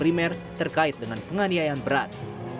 primer terkait dengan penganiayaan berat